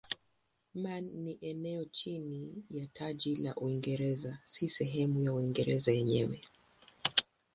Man ni eneo chini ya taji la Uingereza si sehemu ya Uingereza yenyewe.